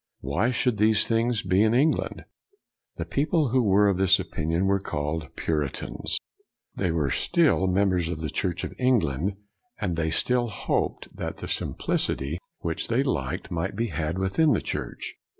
Why should these things be in England? The people who were of this opinion were called Puritans. They were still BREWSTER 197 members of the Church of England, and they still hoped that the simplicity which they liked might be had within the church.